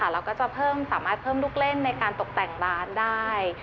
แล้วก็จะสามารถเพิ่มลูกเล่นในการตกแต่งร้านได้